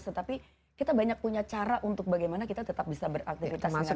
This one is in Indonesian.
tetapi kita banyak punya cara untuk bagaimana kita tetap bisa beraktivitas dengan baik